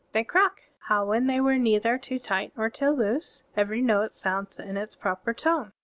"They crack." "How when they were neither too tight nor too loose?" "Every note sounds in its proper tone."